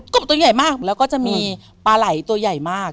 บตัวใหญ่มากแล้วก็จะมีปลาไหล่ตัวใหญ่มาก